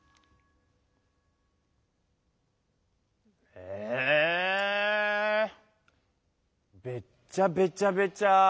えべっちゃべちゃべちゃ。